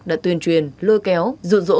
đã tuyên truyền lôi kéo dụ dỗ